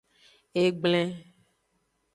Egblen.